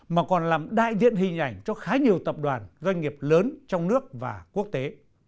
mà còn làm đại diện hình ảnh cho khá nhiều tập đoàn doanh nghiệp lớn trong nước và quốc tế